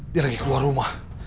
dia lagi keluar rumah